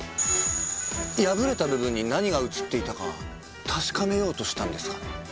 破れた部分に何が写っていたか確かめようとしたんですかね？